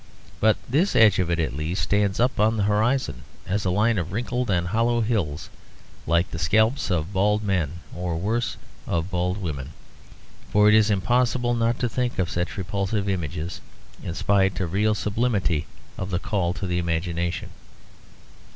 But this edge of it at least stands up on the horizon, as a line of wrinkled and hollow hills like the scalps of bald men; or worse, of bald women. For it is impossible not to think of such repulsive images, in spite of real sublimity of the call to the imagination.